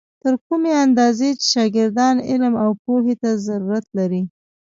تر کومې اندازې چې شاګردان علم او پوهې ته ضرورت لري.